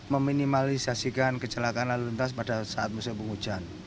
meminimalisasikan kecelakaan lalu lintas pada saat musim hujan